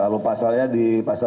untuk itu pasalnya apa pak